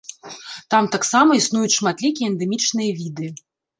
Там таксама існуюць шматлікія эндэмічныя віды.